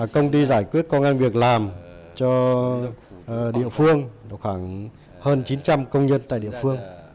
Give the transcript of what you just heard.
công ty giải quyết công an việc làm cho địa phương khoảng hơn chín trăm linh công nhân tại địa phương